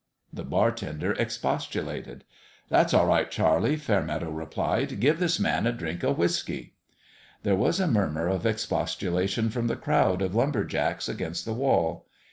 The bartender expostulated. "That's all right, Charlie," Fairmeadow re plied. " Give this man a drink of whiskey." There was a murmur of expostulation from the crowd of lumber jacks against the wall.